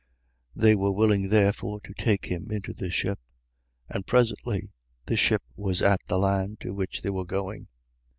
6:21. They were willing therefore to take him into the ship. And presently the ship was at the land to which they were going.